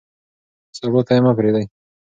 سبا ته یې مه پرېږدئ.